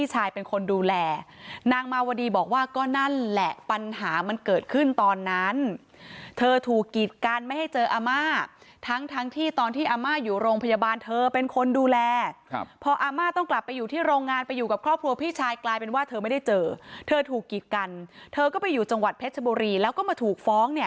ให้เจออาม่าทั้งทั้งที่ตอนที่อาม่าอยู่โรงพยาบาลเธอเป็นคนดูแลครับพออาม่าต้องกลับไปอยู่ที่โรงงานไปอยู่กับครอบครัวพี่ชายกลายเป็นว่าเธอไม่ได้เจอเธอถูกกีดกันเธอก็ไปอยู่จังหวัดเพชรบรีแล้วก็มาถูกฟ้องเนี่ย